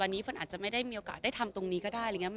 บางทีเค้าแค่อยากดึงเค้าต้องการอะไรจับเราไหล่ลูกหรือยังไง